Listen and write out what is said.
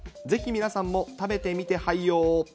ぜひ皆さんも食べてみてはいよー。